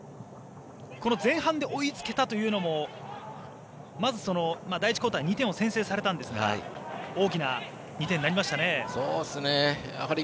この前半で追いつけたというのも第１クオーターに２点、先制されたんですが大きな２点になりましたね。